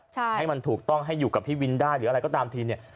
ใช่ให้มันถูกต้องให้อยู่กับพี่วินได้หรืออะไรก็ตามทีเนี่ย